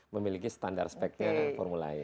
memiliki standar spektur formula e